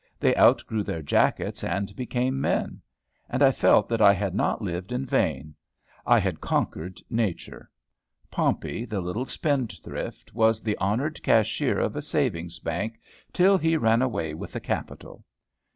They outgrew their jackets, and became men; and I felt that I had not lived in vain. I had conquered nature. Pompey, the little spendthrift, was the honored cashier of a savings bank, till he ran away with the capital.